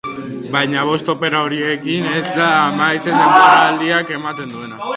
Baina bost opera horiekin ez da amaitzen denboraldiak ematen duena.